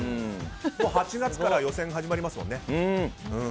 ８月から予選が始まりますもんね。